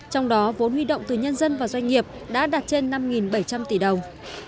trong đó vốn huy động từ nhân dân và doanh nghiệp đã đạt trên năm bảy trăm linh tỷ đồng